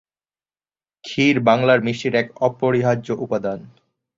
ক্ষীর বাংলার মিষ্টির এক অপরিহার্য উপাদান।